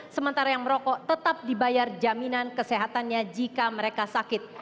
sementara yang merokok tetap dibayar jaminan kesehatannya jika mereka sakit